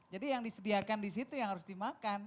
jadi yang disediakan di situ yang harus dimakan